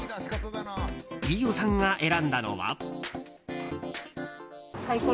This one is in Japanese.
飯尾さんが選んだのは。